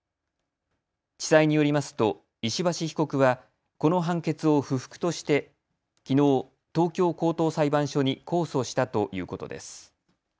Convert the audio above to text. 地裁によりますと石橋被告はこの判決を不服としてきのう、東京高等裁判所に控訴したということです。